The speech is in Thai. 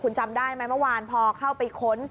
คุณจำได้ไหมเมื่อวานพอเข้าไปค้น